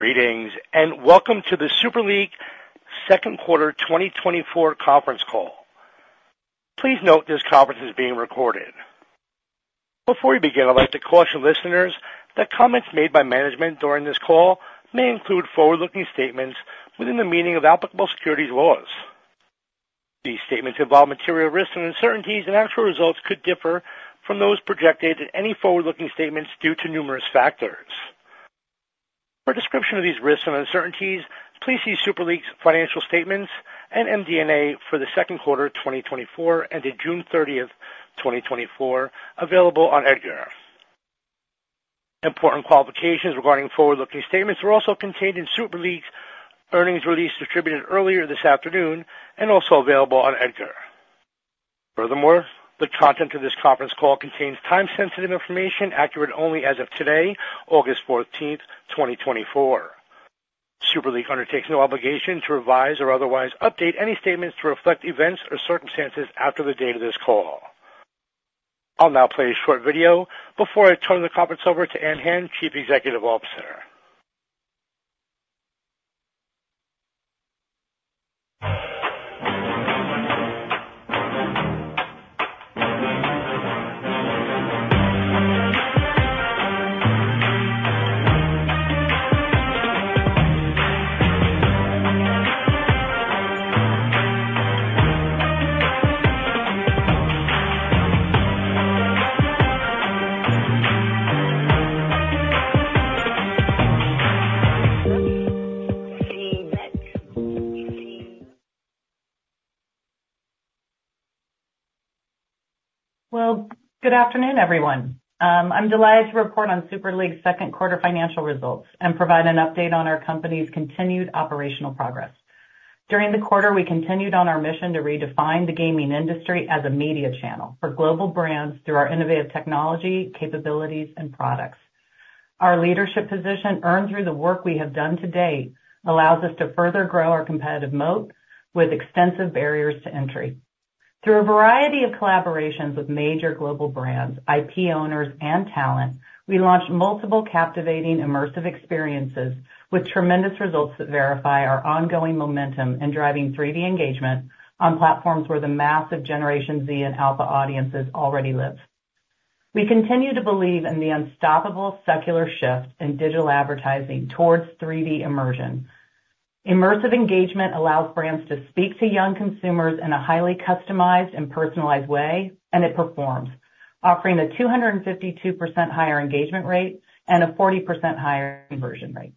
...Greetings, and welcome to the Super League second quarter 2024 conference call. Please note this conference is being recorded. Before we begin, I'd like to caution listeners that comments made by management during this call may include forward-looking statements within the meaning of applicable securities laws. These statements involve material risks and uncertainties, and actual results could differ from those projected in any forward-looking statements due to numerous factors. For a description of these risks and uncertainties, please see Super League's financial statements and MD&A for the second quarter of 2024 ended June 30th, 2024, available on EDGAR. Important qualifications regarding forward-looking statements are also contained in Super League's earnings release, distributed earlier this afternoon and also available on EDGAR. Furthermore, the content of this conference call contains time-sensitive information, accurate only as of today, August 14, 2024. Super League undertakes no obligation to revise or otherwise update any statements to reflect events or circumstances after the date of this call. I'll now play a short video before I turn the conference over to Ann Hand, Chief Executive Officer. Well, good afternoon, everyone. I'm delighted to report on Super League's second quarter financial results and provide an update on our company's continued operational progress. During the quarter, we continued on our mission to redefine the gaming industry as a media channel for global brands through our innovative technology, capabilities, and products. Our leadership position, earned through the work we have done to date, allows us to further grow our competitive moat with extensive barriers to entry. Through a variety of collaborations with major global brands, IP owners, and talent, we launched multiple captivating, immersive experiences with tremendous results that verify our ongoing momentum in driving 3D engagement on platforms where the massive Generation Z and Alpha audiences already live. We continue to believe in the unstoppable secular shift in digital advertising towards 3D immersion. Immersive engagement allows brands to speak to young consumers in a highly customized and personalized way, and it performs, offering a 252% higher engagement rate and a 40% higher conversion rate.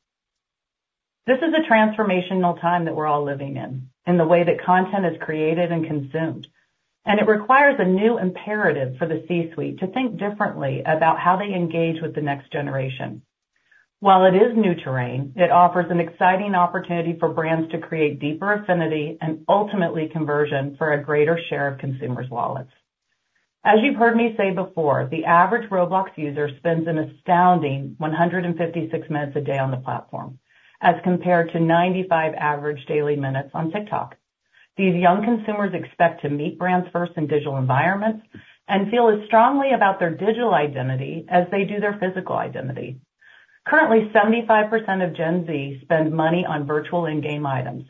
This is a transformational time that we're all living in, in the way that content is created and consumed, and it requires a new imperative for the C-suite to think differently about how they engage with the next generation. While it is new terrain, it offers an exciting opportunity for brands to create deeper affinity and ultimately conversion for a greater share of consumers' wallets. As you've heard me say before, the average Roblox user spends an astounding 156 minutes a day on the platform, as compared to 95 average daily minutes on TikTok. These young consumers expect to meet brands first in digital environments and feel as strongly about their digital identity as they do their physical identity. Currently, 75% of Gen Z spend money on virtual in-game items,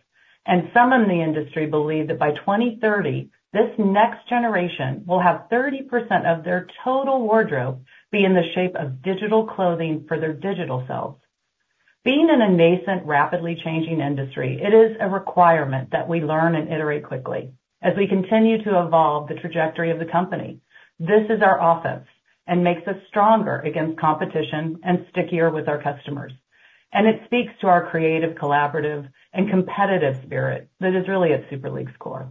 and some in the industry believe that by 2030, this next generation will have 30% of their total wardrobe be in the shape of digital clothing for their digital selves. Being in a nascent, rapidly changing industry, it is a requirement that we learn and iterate quickly as we continue to evolve the trajectory of the company. This is our offense and makes us stronger against competition and stickier with our customers. And it speaks to our creative, collaborative, and competitive spirit that is really at Super League's core.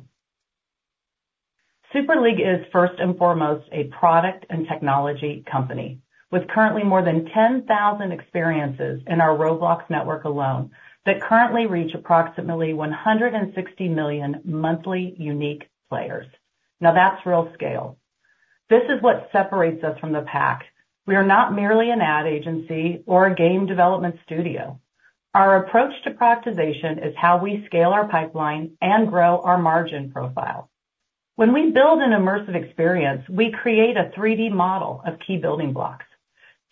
Super League is first and foremost a product and technology company, with currently more than 10,000 experiences in our Roblox network alone, that currently reach approximately 160 million monthly unique players. Now, that's real scale. This is what separates us from the pack. We are not merely an ad agency or a game development studio. Our approach to productization is how we scale our pipeline and grow our margin profile. When we build an immersive experience, we create a 3D model of key building blocks.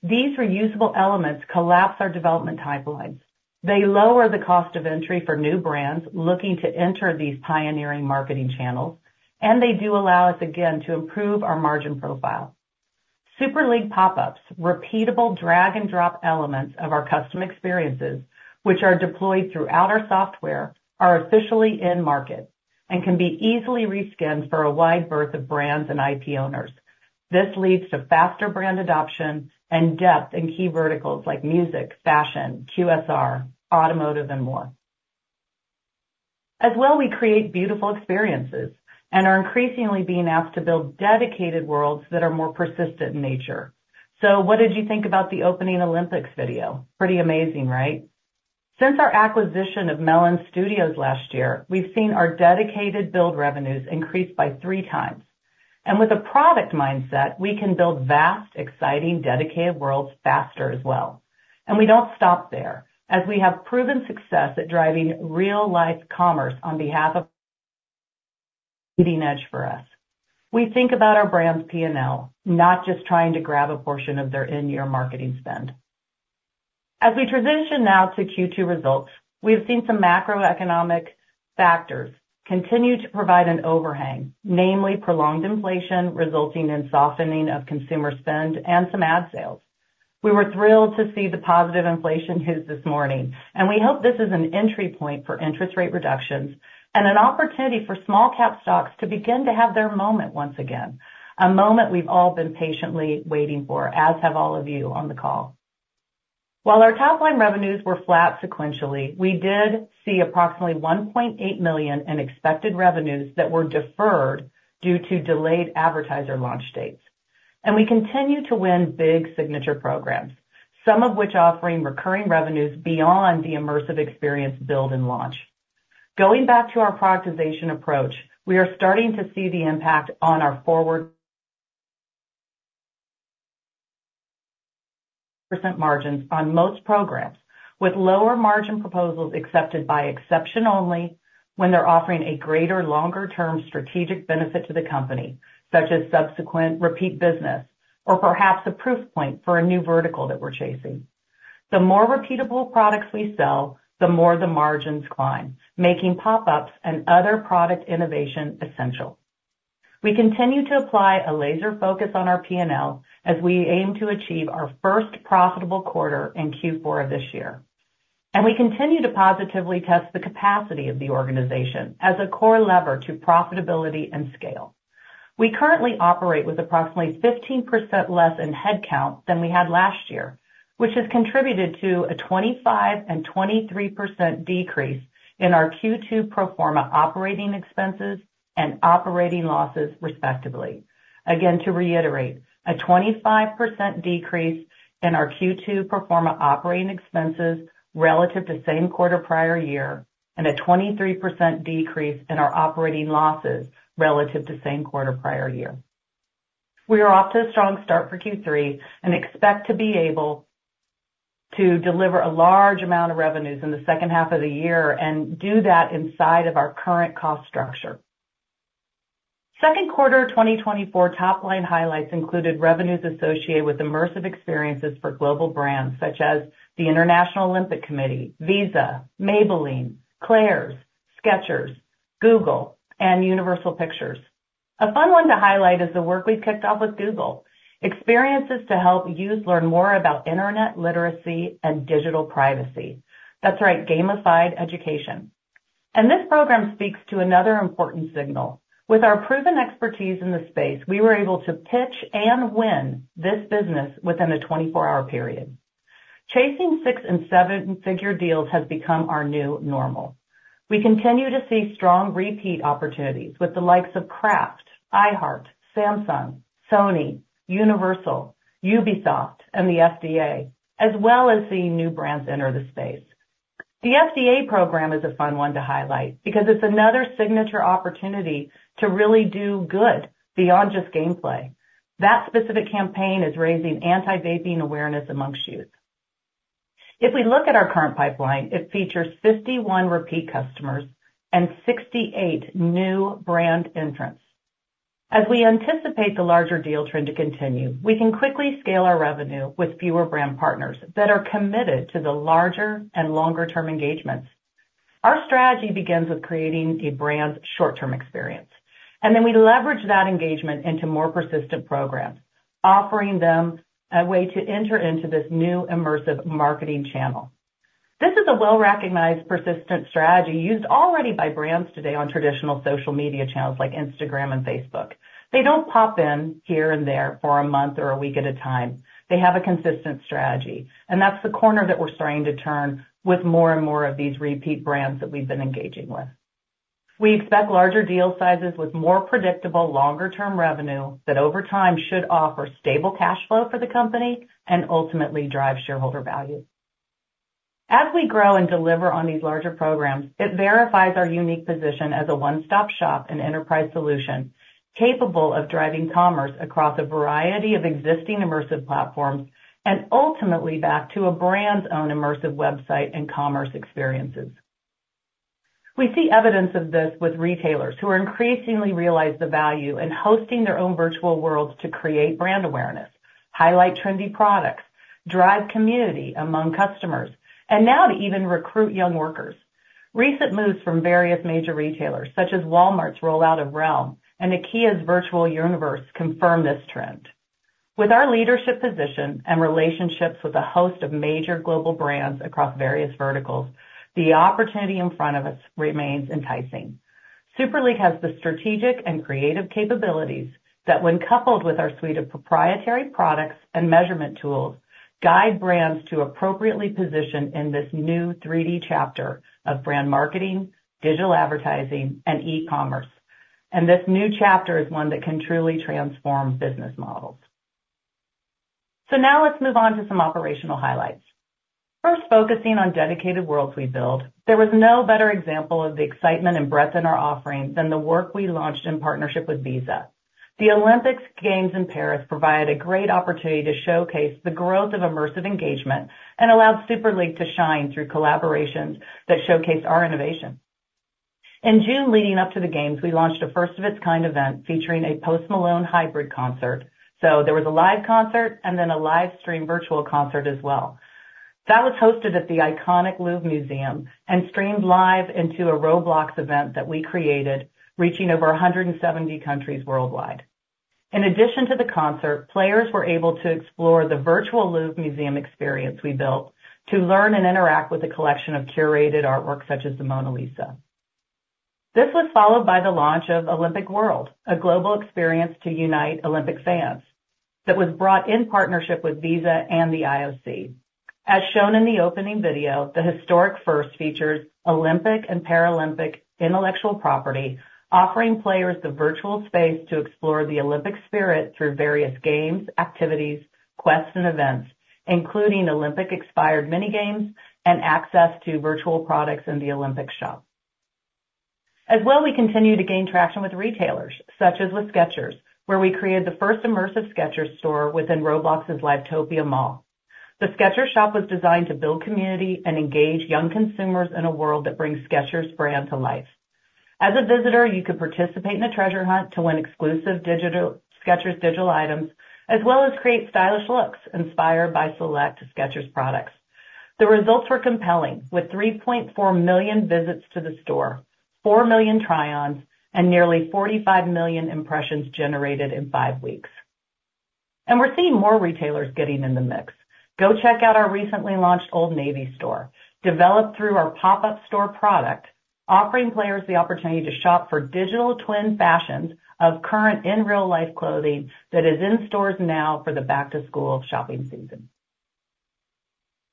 These reusable elements collapse our development timelines. They lower the cost of entry for new brands looking to enter these pioneering marketing channels, and they do allow us, again, to improve our margin profile. Super League Pop-Ups, repeatable drag-and-drop elements of our custom experiences, which are deployed throughout our software, are officially in market and can be easily re-skinned for a wide berth of brands and IP owners. This leads to faster brand adoption and depth in key verticals like music, fashion, QSR, automotive, and more. As well, we create beautiful experiences and are increasingly being asked to build dedicated worlds that are more persistent in nature. So what did you think about the opening Olympics video? Pretty amazing, right? Since our acquisition of Melon Studios last year, we've seen our dedicated build revenues increase by three times. And with a product mindset, we can build vast, exciting, dedicated worlds faster as well. And we don't stop there, as we have proven success at driving real-life commerce on behalf of-... leading edge for us. We think about our brand's P&L, not just trying to grab a portion of their in-year marketing spend. As we transition now to Q2 results, we have seen some macroeconomic factors continue to provide an overhang, namely prolonged inflation, resulting in softening of consumer spend and some ad sales. We were thrilled to see the positive inflation hits this morning, and we hope this is an entry point for interest rate reductions and an opportunity for small cap stocks to begin to have their moment once again, a moment we've all been patiently waiting for, as have all of you on the call. While our top-line revenues were flat sequentially, we did see approximately $1.8 million in expected revenues that were deferred due to delayed advertiser launch dates. We continue to win big signature programs, some of which offering recurring revenues beyond the immersive experience build and launch. Going back to our productization approach, we are starting to see the impact on our forward percent margins on most programs, with lower margin proposals accepted by exception only when they're offering a greater, longer-term strategic benefit to the company, such as subsequent repeat business or perhaps a proof point for a new vertical that we're chasing. The more repeatable products we sell, the more the margins climb, making pop-ups and other product innovation essential. We continue to apply a laser focus on our P&L as we aim to achieve our first profitable quarter in Q4 of this year, and we continue to positively test the capacity of the organization as a core lever to profitability and scale. We currently operate with approximately 15% less in headcount than we had last year, which has contributed to a 25% and 23% decrease in our Q2 pro forma operating expenses and operating losses, respectively. Again, to reiterate, a 25% decrease in our Q2 pro forma operating expenses relative to same quarter prior year, and a 23% decrease in our operating losses relative to same quarter prior year. We are off to a strong start for Q3 and expect to be able to deliver a large amount of revenues in the second half of the year and do that inside of our current cost structure. Second quarter 2024 top-line highlights included revenues associated with immersive experiences for global brands such as the International Olympic Committee, Visa, Maybelline, Claire's, Skechers, Google, and Universal Pictures. A fun one to highlight is the work we kicked off with Google, experiences to help youth learn more about internet literacy and digital privacy. That's right, gamified education. This program speaks to another important signal. With our proven expertise in the space, we were able to pitch and win this business within a 24-hour period. Chasing six and seven figure deals has become our new normal. We continue to see strong repeat opportunities with the likes of Kraft, iHeart, Samsung, Sony, Universal, Ubisoft, and the FDA, as well as seeing new brands enter the space. The FDA program is a fun one to highlight because it's another signature opportunity to really do good beyond just gameplay. That specific campaign is raising anti-vaping awareness among youth. If we look at our current pipeline, it features 51 repeat customers and 68 new brand entrants. As we anticipate the larger deal trend to continue, we can quickly scale our revenue with fewer brand partners that are committed to the larger and longer-term engagements. Our strategy begins with creating a brand's short-term experience, and then we leverage that engagement into more persistent programs, offering them a way to enter into this new immersive marketing channel. This is a well-recognized, persistent strategy used already by brands today on traditional social media channels like Instagram and Facebook. They don't pop in here and there for a month or a week at a time. They have a consistent strategy, and that's the corner that we're starting to turn with more and more of these repeat brands that we've been engaging with. We expect larger deal sizes with more predictable, longer-term revenue that over time should offer stable cash flow for the company and ultimately drive shareholder value. As we grow and deliver on these larger programs, it verifies our unique position as a one-stop-shop and enterprise solution capable of driving commerce across a variety of existing immersive platforms and ultimately back to a brand's own immersive website and commerce experiences. We see evidence of this with retailers who are increasingly realize the value in hosting their own virtual worlds to create brand awareness, highlight trendy products, drive community among customers, and now to even recruit young workers. Recent moves from various major retailers, such as Walmart's rollout of Realm and IKEA's virtual universe, confirm this trend. With our leadership position and relationships with a host of major global brands across various verticals, the opportunity in front of us remains enticing. Super League has the strategic and creative capabilities that, when coupled with our suite of proprietary products and measurement tools, guide brands to appropriately position in this new 3D chapter of brand marketing, digital advertising, and e-commerce. This new chapter is one that can truly transform business models. Now let's move on to some operational highlights. First, focusing on dedicated worlds we build, there was no better example of the excitement and breadth in our offering than the work we launched in partnership with Visa. The Olympic Games in Paris provided a great opportunity to showcase the growth of immersive engagement and allowed Super League to shine through collaborations that showcased our innovation. In June, leading up to the games, we launched a first of its kind event featuring a Post Malone hybrid concert. There was a live concert and then a live stream virtual concert as well. That was hosted at the iconic Louvre Museum and streamed live into a Roblox event that we created, reaching over 170 countries worldwide. In addition to the concert, players were able to explore the virtual Louvre Museum experience we built to learn and interact with a collection of curated artworks, such as the Mona Lisa. This was followed by the launch of Olympic World, a global experience to unite Olympic fans, that was brought in partnership with Visa and the IOC. As shown in the opening video, the historic first features Olympic and Paralympic intellectual property, offering players the virtual space to explore the Olympic spirit through various games, activities, quests, and events, including Olympic inspired mini games and access to virtual products in the Olympic shop. As well, we continue to gain traction with retailers such as with Skechers, where we created the first immersive Skechers store within Roblox's Livetopia Mall. The Skechers shop was designed to build community and engage young consumers in a world that brings Skechers brand to life. As a visitor, you could participate in a treasure hunt to win exclusive digital Skechers digital items, as well as create stylish looks inspired by select Skechers products. The results were compelling, with 3.4 million visits to the store, 4 million try-ons, and nearly 45 million impressions generated in five weeks. We're seeing more retailers getting in the mix. Go check out our recently launched Old Navy store, developed through our pop-up store product, offering players the opportunity to shop for digital twin fashions of current in real life clothing that is in stores now for the back-to-school shopping season.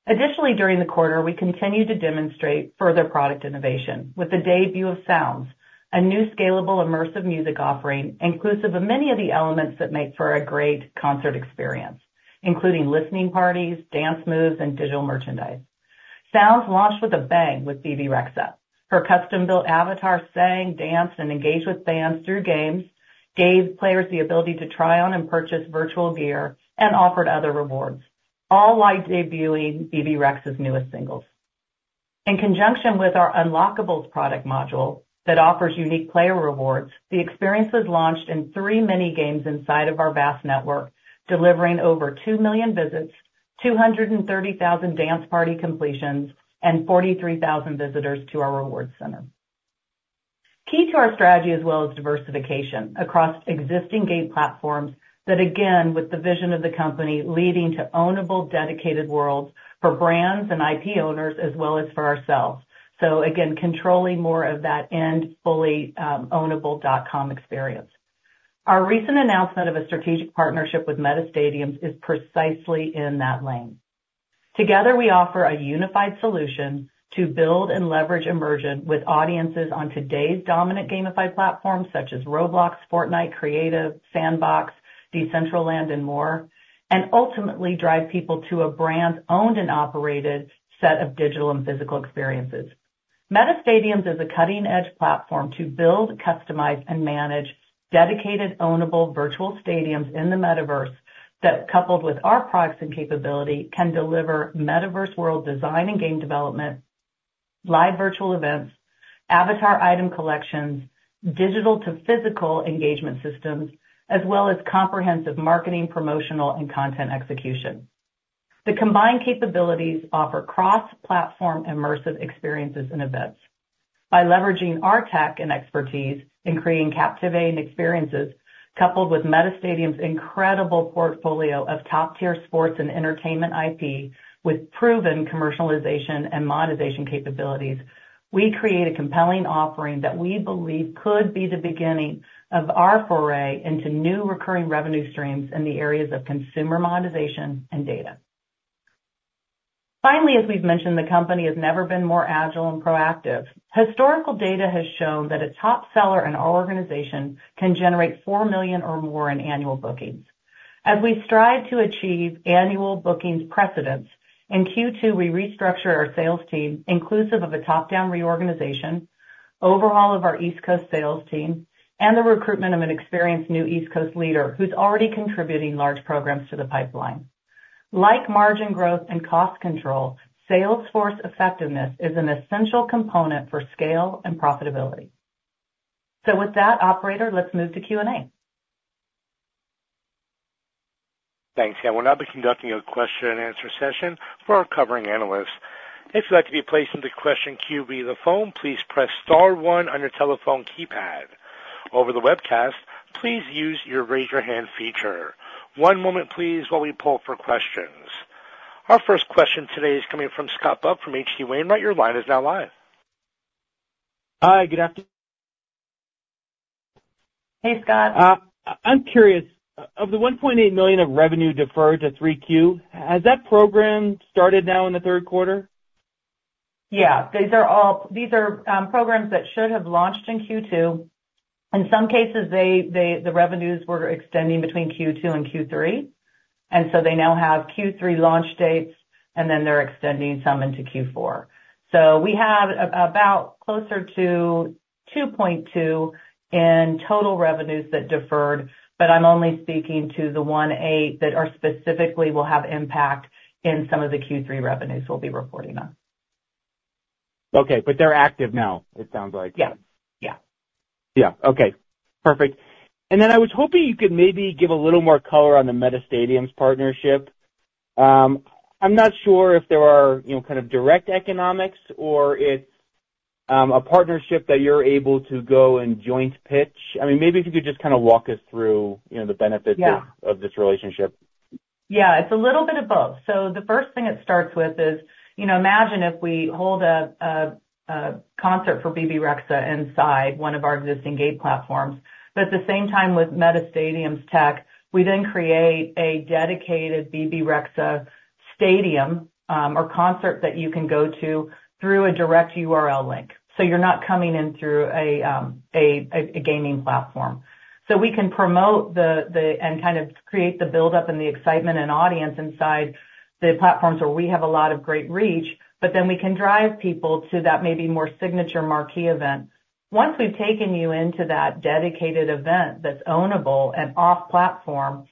Additionally, during the quarter, we continued to demonstrate further product innovation with the debut of Sounds, a new scalable, immersive music offering, inclusive of many of the elements that make for a great concert experience, including listening parties, dance moves, and digital merchandise. Sounds launched with a bang with Bebe Rexha. Her custom-built avatar sang, danced, and engaged with fans through games, gave players the ability to try on and purchase virtual gear, and offered other rewards, all while debuting Bebe Rexha's newest singles. In conjunction with our unlockables product module that offers unique player rewards, the experiences launched in three mini games inside of our vast network, delivering over 2 million visits, 230,000 dance party completions, and 43,000 visitors to our reward center. Key to our strategy as well is diversification across existing game platforms that, again, with the vision of the company leading to ownable, dedicated worlds for brands and IP owners as well as for ourselves. So again, controlling more of that end, fully, ownable dot-com experience. Our recent announcement of a strategic partnership with MetaStadiums is precisely in that lane. Together, we offer a unified solution to build and leverage immersion with audiences on today's dominant gamified platforms such as Roblox, Fortnite, Creative, Sandbox, Decentraland, and more, and ultimately drive people to a brand-owned and operated set of digital and physical experiences. MetaStadiums is a cutting-edge platform to build, customize, and manage dedicated, ownable virtual stadiums in the Metaverse that, coupled with our products and capability, can deliver Metaverse world design and game development, live virtual events, avatar item collections, digital to physical engagement systems, as well as comprehensive marketing, promotional, and content execution. The combined capabilities offer cross-platform, immersive experiences and events. By leveraging our tech and expertise in creating captivating experiences, coupled with MetaStadiums' incredible portfolio of top-tier sports and entertainment IP, with proven commercialization and monetization capabilities, we create a compelling offering that we believe could be the beginning of our foray into new recurring revenue streams in the areas of consumer monetization and data. Finally, as we've mentioned, the company has never been more agile and proactive. Historical data has shown that a top seller in our organization can generate $4 million or more in annual bookings. As we strive to achieve annual bookings precedents, in Q2, we restructured our sales team, inclusive of a top-down reorganization, overhaul of our East Coast sales team, and the recruitment of an experienced new East Coast leader who's already contributing large programs to the pipeline. Like margin growth and cost control, sales force effectiveness is an essential component for scale and profitability. With that, operator, let's move to Q&A. Thanks. I will now be conducting a question and answer session for our covering analysts. If you'd like to be placed into the question queue via the phone, please press star one on your telephone keypad. Over the webcast, please use the raise hand feature. One moment, please, while we pull for questions. Our first question today is coming from Scott Buck from H.C. Wainwright. Your line is now live. Hi. Hey, Scott. I'm curious, of the $1.8 million of revenue deferred to 3Q, has that program started now in the third quarter? Yeah, these are all programs that should have launched in Q2. In some cases, the revenues were extending between Q2 and Q3... and so they now have Q3 launch dates, and then they're extending some into Q4. So we have about closer to $2.2 in total revenues that deferred, but I'm only speaking to the $1.8 that are specifically will have impact in some of the Q3 revenues we'll be reporting on. Okay, but they're active now, it sounds like? Yeah. Yeah. Yeah. Okay, perfect. And then I was hoping you could maybe give a little more color on the MetaStadiums partnership. I'm not sure if there are, you know, kind of direct economics or if a partnership that you're able to go and joint pitch. I mean, maybe if you could just kind of walk us through, you know, the benefits of- Yeah of this relationship. Yeah, it's a little bit of both. So the first thing it starts with is, you know, imagine if we hold a concert for Bebe Rexha inside one of our existing gate platforms, but at the same time, with MetaStadiums tech, we then create a dedicated Bebe Rexha stadium, or concert that you can go to through a direct URL link. So you're not coming in through a gaming platform. So we can promote and kind of create the buildup and the excitement and audience inside the platforms where we have a lot of great reach, but then we can drive people to that maybe more signature marquee event. Once we've taken you into that dedicated event that's ownable and off platform,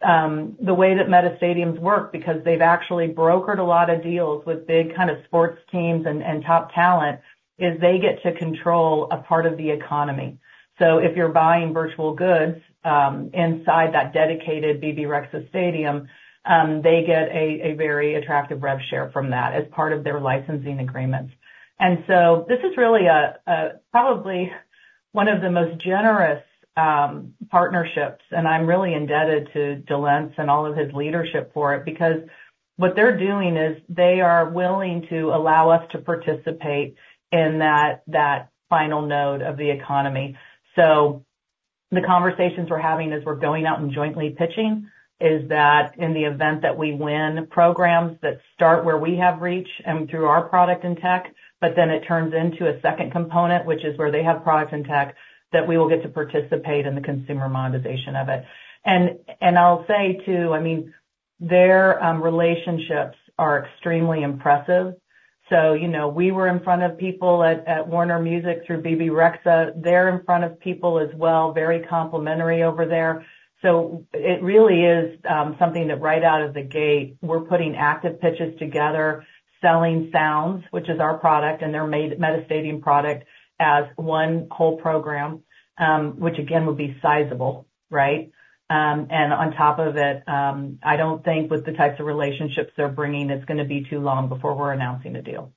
the way that MetaStadiums work, because they've actually brokered a lot of deals with big kind of sports teams and top talent, is they get to control a part of the economy. So if you're buying virtual goods inside that dedicated Bebe Rexha stadium, they get a very attractive rev share from that as part of their licensing agreements. And so this is really a probably one of the most generous partnerships, and I'm really indebted to Delence and all of his leadership for it, because what they're doing is they are willing to allow us to participate in that final node of the economy. So the conversations we're having as we're going out and jointly pitching is that in the event that we win programs that start where we have reach and through our product and tech, but then it turns into a second component, which is where they have products and tech, that we will get to participate in the consumer monetization of it. And I'll say, too, I mean, their relationships are extremely impressive. So, you know, we were in front of people at Warner Music through Bebe Rexha. They're in front of people as well, very complementary over there. So it really is something that right out of the gate, we're putting active pitches together, selling Sounds, which is our product and their MetaStadium product, as one whole program, which again, would be sizable, right? And on top of it, I don't think with the types of relationships they're bringing, it's gonna be too long before we're announcing the deal.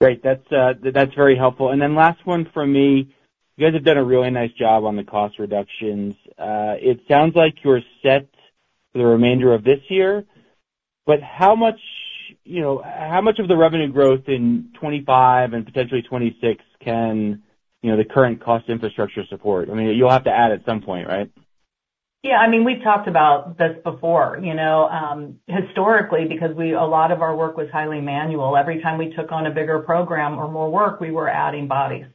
Great. That's, that's very helpful. And then last one from me. You guys have done a really nice job on the cost reductions. It sounds like you're set for the remainder of this year, but how much, you know, how much of the revenue growth in 2025 and potentially 2026 can, you know, the current cost infrastructure support? I mean, you'll have to add at some point, right? Yeah. I mean, we've talked about this before, you know, historically, because a lot of our work was highly manual. Every time we took on a bigger program or more work, we were adding bodies.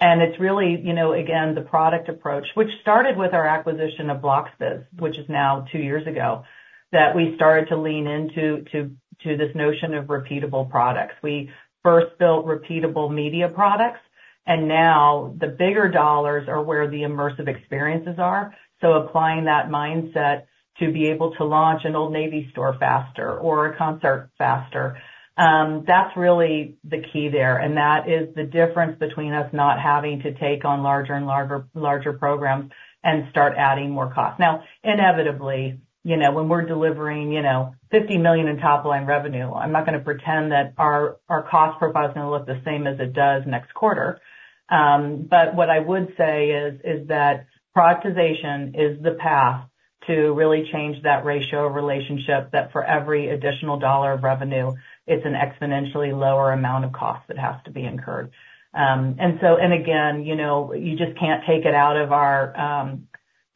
And it's really, you know, again, the product approach, which started with our acquisition of Bloxbiz, which is now two years ago, that we started to lean into, to, to this notion of repeatable products. We first built repeatable media products, and now the bigger dollars are where the immersive experiences are. So applying that mindset to be able to launch an Old Navy store faster or a concert faster, that's really the key there, and that is the difference between us not having to take on larger and larger, larger programs and start adding more cost. Now, inevitably, you know, when we're delivering, you know, $50 million in top line revenue, I'm not gonna pretend that our cost per buzz is going to look the same as it does next quarter. But what I would say is that productization is the path to really change that ratio relationship, that for every additional dollar of revenue, it's an exponentially lower amount of cost that has to be incurred. And so... and again, you know, you just can't take it out of our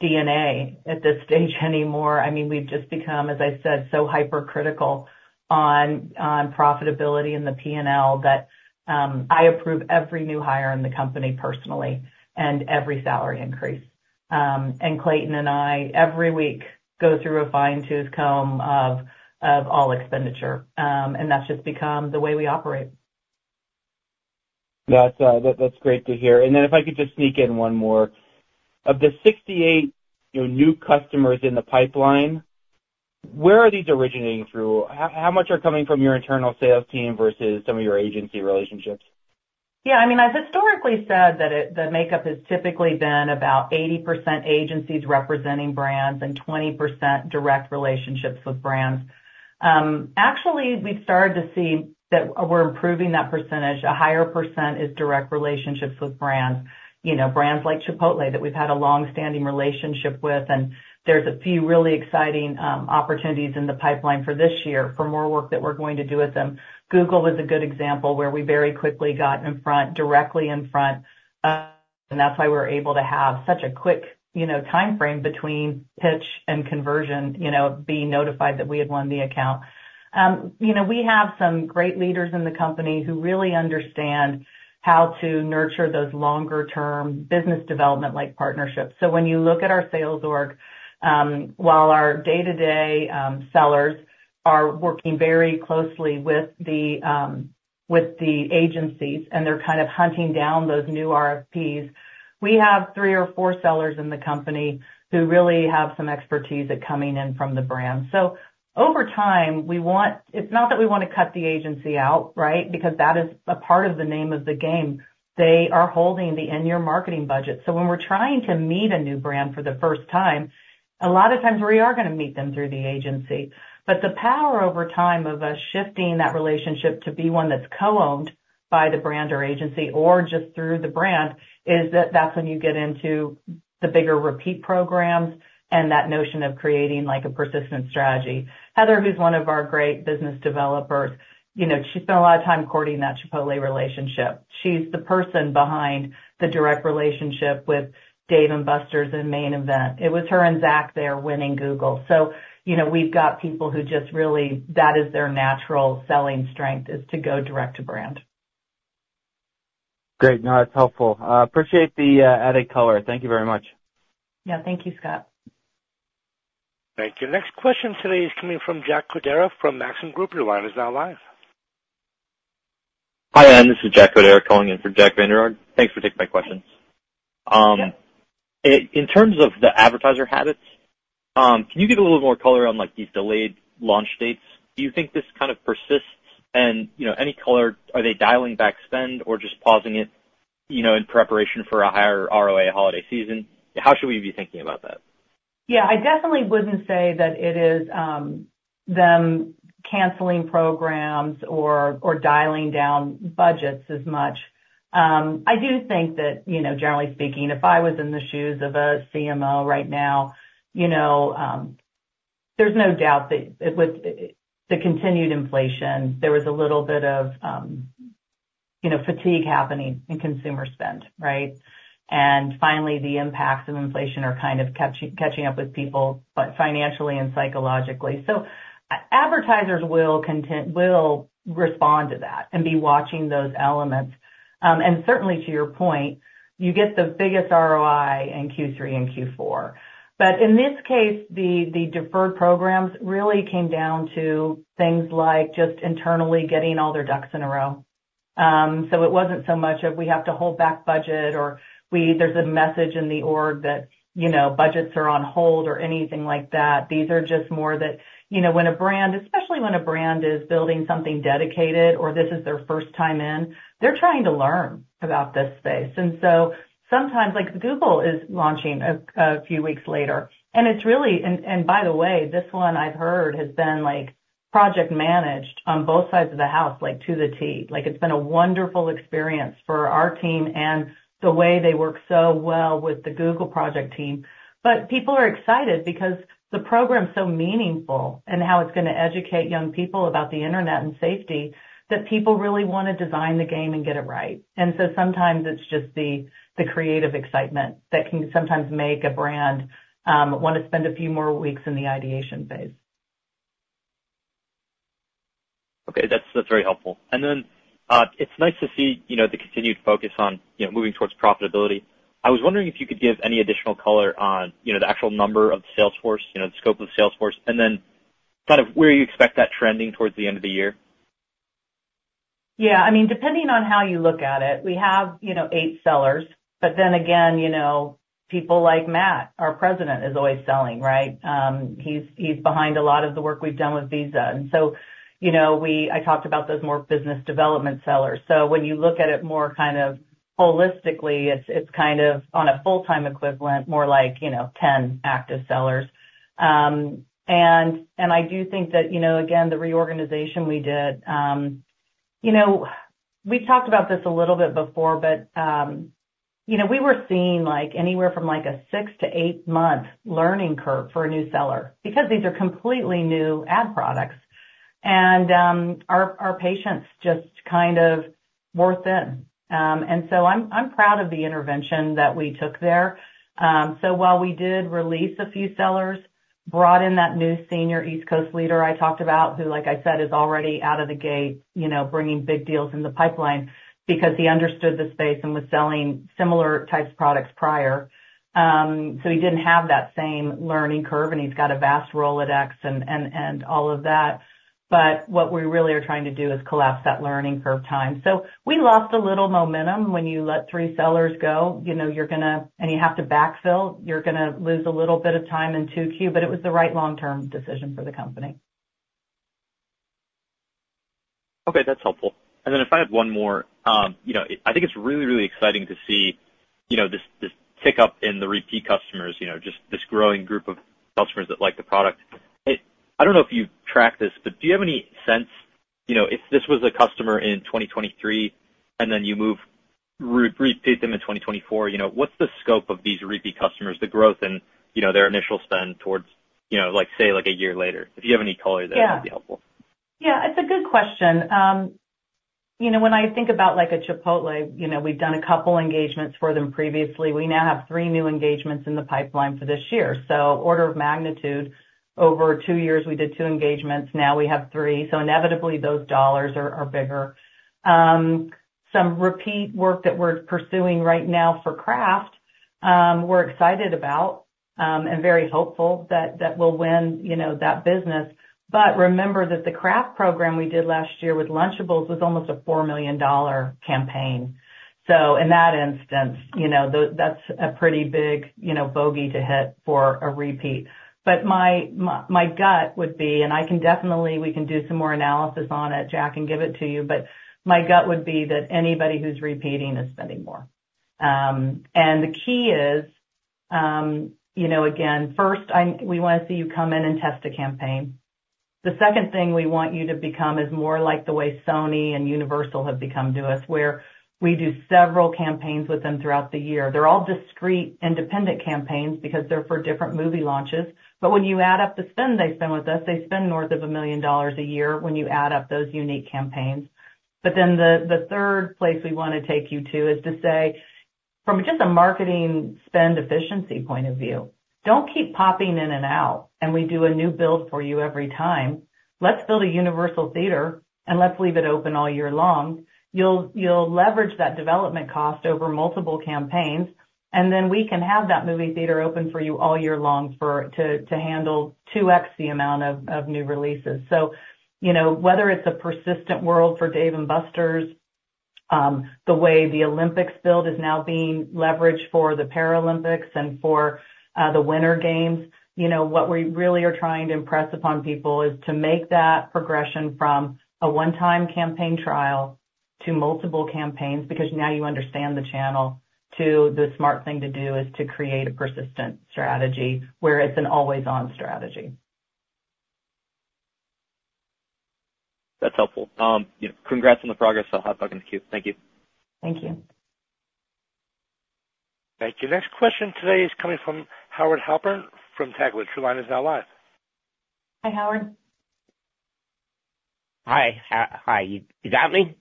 DNA at this stage anymore. I mean, we've just become, as I said, so hypercritical on profitability and the P&L, that I approve every new hire in the company personally and every salary increase. Clayton and I, every week, go through a fine-tooth comb of all expenditure, and that's just become the way we operate. That's great to hear. And then if I could just sneak in one more. Of the 68, you know, new customers in the pipeline, where are these originating through? How much are coming from your internal sales team versus some of your agency relationships? Yeah, I mean, I've historically said that it, the makeup has typically been about 80% agencies representing brands and 20% direct relationships with brands. Actually, we've started to see that we're improving that percentage. A higher percent is direct relationships with brands. You know, brands like Chipotle, that we've had a long-standing relationship with, and there's a few really exciting opportunities in the pipeline for this year for more work that we're going to do with them. Google is a good example, where we very quickly got in front, directly in front, and that's why we're able to have such a quick, you know, timeframe between pitch and conversion, you know, being notified that we had won the account. You know, we have some great leaders in the company who really understand how to nurture those longer term business development like partnerships. When you look at our sales org, while our day-to-day sellers are working very closely with the agencies, and they're kind of hunting down those new RFPs, we have three or four sellers in the company who really have some expertise at coming in from the brand. Over time, we want, it's not that we wanna cut the agency out, right? Because that is a part of the name of the game. They are holding the in-year marketing budget. When we're trying to meet a new brand for the first time, a lot of times we are gonna meet them through the agency. But the power over time of us shifting that relationship to be one that's co-owned by the brand or agency or just through the brand, is that that's when you get into the bigger repeat programs and that notion of creating, like, a persistent strategy. Heather, who's one of our great business developers, you know, she spent a lot of time courting that Chipotle relationship. She's the person behind the direct relationship with Dave & Buster's and Main Event. It was her and Zach there winning Google. So, you know, we've got people who just really, that is their natural selling strength, is to go direct to brand. Great. No, that's helpful. Appreciate the added color. Thank you very much. Yeah. Thank you, Scott. Thank you. Next question today is coming from Jack Codera from Maxim Group. Your line is now live. Hi, Ann, this is Jack Kodera calling in for Jack Vander Aarde. Thanks for taking my questions. In terms of the advertiser habits, can you give a little more color on, like, these delayed launch dates? Do you think this kind of persists? And, you know, any color, are they dialing back spend or just pausing it, you know, in preparation for a higher ROA holiday season? How should we be thinking about that? Yeah, I definitely wouldn't say that it is them canceling programs or dialing down budgets as much. I do think that, you know, generally speaking, if I was in the shoes of a CMO right now, you know, there's no doubt that it was the continued inflation. There was a little bit of, you know, fatigue happening in consumer spend, right? And finally, the impacts of inflation are kind of catching up with people, but financially and psychologically. So advertisers will respond to that and be watching those elements. And certainly to your point, you get the biggest ROI in Q3 and Q4. But in this case, the deferred programs really came down to things like just internally getting all their ducks in a row. So it wasn't so much of, we have to hold back budget or there's a message in the org that, you know, budgets are on hold or anything like that. These are just more that, you know, when a brand, especially when a brand is building something dedicated or this is their first time in, they're trying to learn about this space. And so sometimes, like Google is launching a few weeks later, and it's really... And by the way, this one I've heard has been, like, project managed on both sides of the house, like, to the T. Like, it's been a wonderful experience for our team and the way they work so well with the Google project team. But people are excited because the program's so meaningful and how it's gonna educate young people about the internet and safety, that people really wanna design the game and get it right. Sometimes it's just the creative excitement that can sometimes make a brand wanna spend a few more weeks in the ideation phase. Okay. That's, that's very helpful. And then, it's nice to see, you know, the continued focus on, you know, moving towards profitability. I was wondering if you could give any additional color on, you know, the actual number of the sales force, you know, the scope of the sales force, and then kind of where you expect that trending towards the end of the year. Yeah, I mean, depending on how you look at it, we have, you know, eight sellers. But then again, you know, people like Matt, our president, is always selling, right? He's behind a lot of the work we've done with Visa. And so, you know, I talked about those more business development sellers. So when you look at it more kind of holistically, it's kind of on a full-time equivalent, more like, you know, 10 active sellers. And I do think that, you know, again, the reorganization we did. You know, we've talked about this a little bit before, but, you know, we were seeing, like, anywhere from, like, a six to eight month learning curve for a new seller, because these are completely new ad products, and our patience just kind of wore thin. And so I'm proud of the intervention that we took there. So while we did release a few sellers, brought in that new senior East Coast leader I talked about, who, like I said, is already out of the gate, you know, bringing big deals in the pipeline because he understood the space and was selling similar types of products prior. So he didn't have that same learning curve, and he's got a vast Rolodex and all of that. But what we really are trying to do is collapse that learning curve time. So we lost a little momentum. When you let three sellers go, you know you're gonna and you have to backfill, you're gonna lose a little bit of time in 2Q, but it was the right long-term decision for the company. Okay, that's helpful. And then if I have one more, you know, I think it's really, really exciting to see, you know, this tick up in the repeat customers, you know, just this growing group of customers that like the product. I don't know if you track this, but do you have any sense, you know, if this was a customer in 2023 and then you repeat them in 2024, you know, what's the scope of these repeat customers, the growth and, you know, their initial spend towards, you know, like, say, like a year later? If you have any color there, that would be helpful.... Yeah, it's a good question. You know, when I think about like a Chipotle, you know, we've done a couple engagements for them previously. We now have three new engagements in the pipeline for this year. So order of magnitude, over two years, we did two engagements, now we have three. So inevitably, those dollars are, are bigger. Some repeat work that we're pursuing right now for Kraft, we're excited about, and very hopeful that, that we'll win, you know, that business. But remember that the Kraft program we did last year with Lunchables was almost a $4 million campaign. So in that instance, you know, that's a pretty big, you know, bogey to hit for a repeat. But my gut would be, and I can definitely—we can do some more analysis on it, Jack, and give it to you, but my gut would be that anybody who's repeating is spending more. And the key is, you know, again, first, we wanna see you come in and test a campaign. The second thing we want you to become is more like the way Sony and Universal have become to us, where we do several campaigns with them throughout the year. They're all discrete, independent campaigns because they're for different movie launches. But when you add up the spend they spend with us, they spend north of $1 million a year when you add up those unique campaigns. But then the third place we wanna take you to is to say, from just a marketing spend efficiency point of view, don't keep popping in and out, and we do a new build for you every time. Let's build a universal theater, and let's leave it open all year long. You'll leverage that development cost over multiple campaigns, and then we can have that movie theater open for you all year long to handle 2x the amount of new releases. So, you know, whether it's a persistent world for Dave & Buster's, the way the Olympics build is now being leveraged for the Paralympics and for the Winter Games, you know, what we really are trying to impress upon people is to make that progression from a one-time campaign trial to multiple campaigns, because now you understand the channel, to the smart thing to do is to create a persistent strategy where it's an always-on strategy. That's helpful. You know, congrats on the progress on Hot Pockets and Q. Thank you. Thank you. Thank you. Next question today is coming from Howard Halpern from Taglich Brothers. Your line is now live. Hi, Howard. Hi, hi. You got me?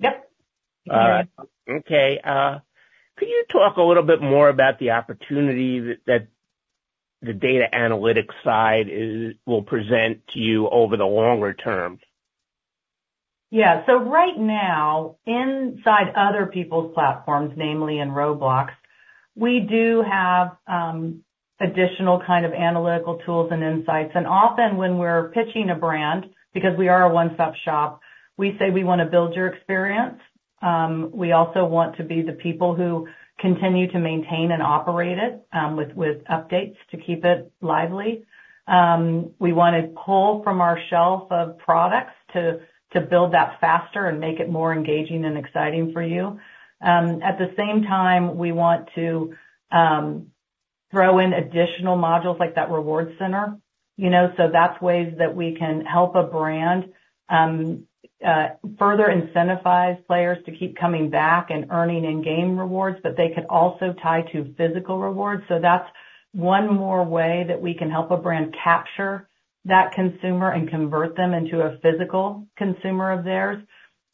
Yep. All right. Okay, could you talk a little bit more about the opportunity that the data analytics side will present to you over the longer term? Yeah. So right now, inside other people's platforms, namely in Roblox, we do have additional kind of analytical tools and insights. And often when we're pitching a brand, because we are a one-stop shop, we say: We want to build your experience. We also want to be the people who continue to maintain and operate it, with updates to keep it lively. We want to pull from our shelf of products to build that faster and make it more engaging and exciting for you. At the same time, we want to throw in additional modules like that reward center, you know, so that's ways that we can help a brand further incentivize players to keep coming back and earning in-game rewards, but they can also tie to physical rewards. So that's one more way that we can help a brand capture that consumer and convert them into a physical consumer of theirs.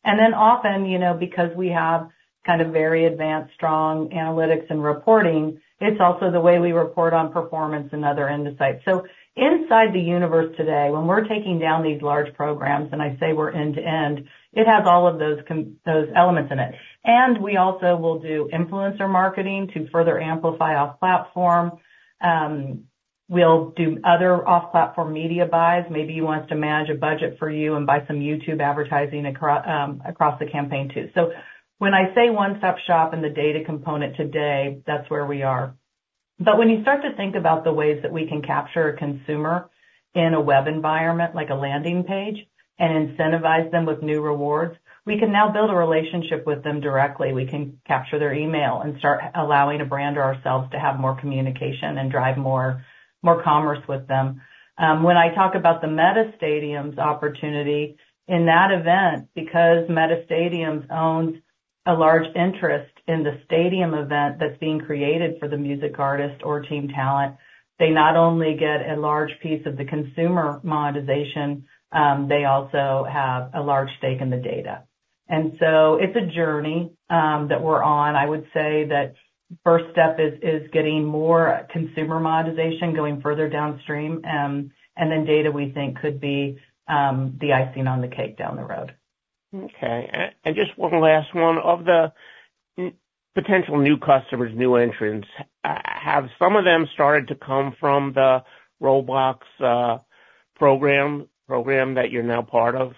And then often, you know, because we have kind of very advanced, strong analytics and reporting, it's also the way we report on performance and other insights. So inside the universe today, when we're taking down these large programs, and I say we're end-to-end, it has all of those those elements in it. And we also will do influencer marketing to further amplify off-platform. We'll do other off-platform media buys. Maybe you want us to manage a budget for you and buy some YouTube advertising across the campaign, too. So when I say one-stop shop and the data component today, that's where we are. But when you start to think about the ways that we can capture a consumer in a web environment, like a landing page, and incentivize them with new rewards, we can now build a relationship with them directly. We can capture their email and start allowing a brand or ourselves to have more communication and drive more, more commerce with them. When I talk about the MetaStadiums opportunity, in that event, because MetaStadiums owns a large interest in the stadium event that's being created for the music artist or team talent, they not only get a large piece of the consumer monetization, they also have a large stake in the data. And so it's a journey that we're on. I would say that first step is getting more consumer monetization going further downstream, and then data, we think, could be the icing on the cake down the road. Okay. And just one last one. Of the potential new customers, new entrants, have some of them started to come from the Roblox program, program that you're now part of?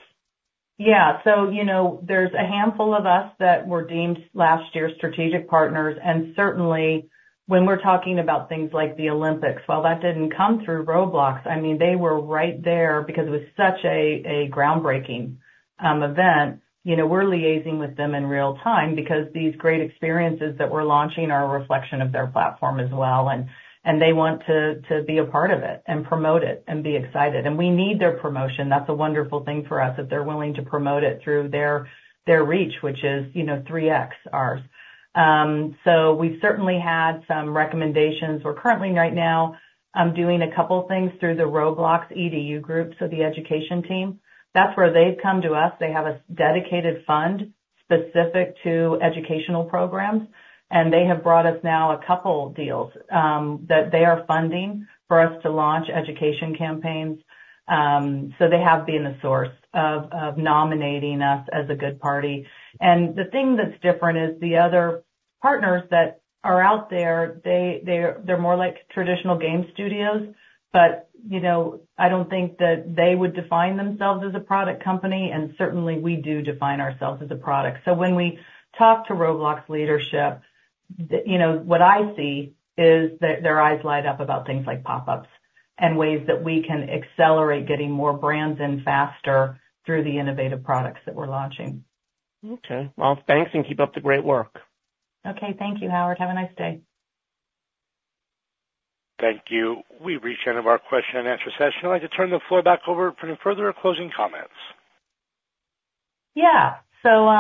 Yeah. So, you know, there's a handful of us that were deemed last year's strategic partners, and certainly, when we're talking about things like the Olympics, while that didn't come through Roblox, I mean, they were right there because it was such a groundbreaking event. You know, we're liaising with them in real time because these great experiences that we're launching are a reflection of their platform as well, and they want to be a part of it and promote it and be excited. And we need their promotion. That's a wonderful thing for us, that they're willing to promote it through their reach, which is, you know, 3x ours. So we've certainly had some recommendations. We're currently right now doing a couple of things through the Roblox EDU group, so the education team. That's where they've come to us. They have a dedicated fund specific to educational programs, and they have brought us now a couple deals that they are funding for us to launch education campaigns. So they have been a source of nominating us as a good party. And the thing that's different is the other partners that are out there, they're more like traditional game studios, but, you know, I don't think that they would define themselves as a product company, and certainly, we do define ourselves as a product. So when we talk to Roblox leadership, the, you know, what I see is that their eyes light up about things like pop-ups and ways that we can accelerate getting more brands in faster through the innovative products that we're launching. Okay, well, thanks, and keep up the great work. Okay. Thank you, Howard. Have a nice day. Thank you. We've reached the end of our question-and-answer session. I'd like to turn the floor back over for any further closing comments. Yeah. So,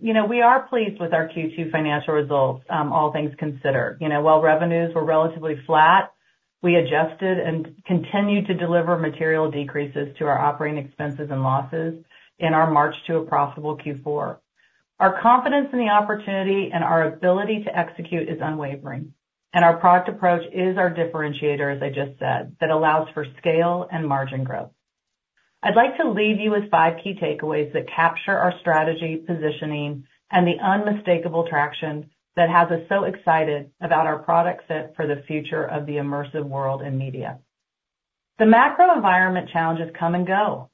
you know, we are pleased with our Q2 financial results, all things considered. You know, while revenues were relatively flat, we adjusted and continued to deliver material decreases to our operating expenses and losses in our march to a profitable Q4. Our confidence in the opportunity and our ability to execute is unwavering, and our product approach is our differentiator, as I just said, that allows for scale and margin growth. I'd like to leave you with five key takeaways that capture our strategy, positioning, and the unmistakable traction that has us so excited about our product set for the future of the immersive world and media. The macro environment challenges come and go,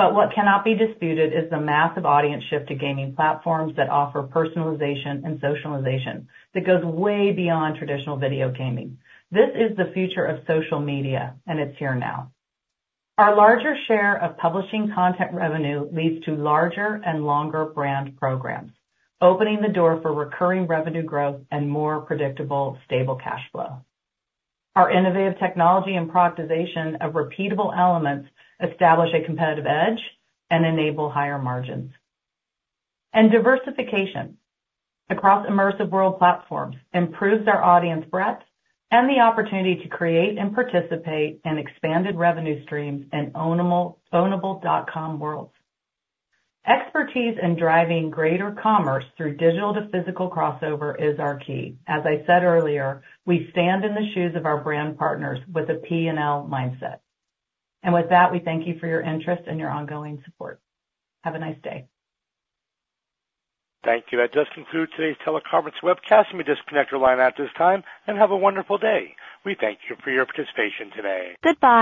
but what cannot be disputed is the massive audience shift to gaming platforms that offer personalization and socialization that goes way beyond traditional video gaming. This is the future of social media, and it's here now. Our larger share of publishing content revenue leads to larger and longer brand programs, opening the door for recurring revenue growth and more predictable, stable cash flow. Our innovative technology and productization of repeatable elements establish a competitive edge and enable higher margins. And diversification across immersive world platforms improves our audience breadth and the opportunity to create and participate in expanded revenue streams and ownable, ownable.com worlds. Expertise in driving greater commerce through digital to physical crossover is our key. As I said earlier, we stand in the shoes of our brand partners with a P&L mindset. And with that, we thank you for your interest and your ongoing support. Have a nice day. Thank you. That does conclude today's teleconference webcast. You may disconnect your line at this time and have a wonderful day. We thank you for your participation today. Goodbye.